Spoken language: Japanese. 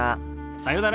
さよなら。